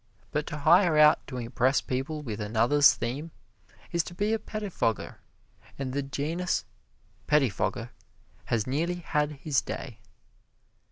But to hire out to impress people with another's theme is to be a pettifogger, and the genus pettifogger has nearly had his day.